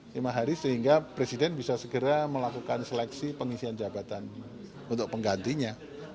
lima hari sehingga presiden bisa segera melakukan seleksi pengisian jabatan untuk penggantinya